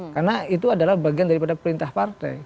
karena itu adalah bagian daripada perintah partai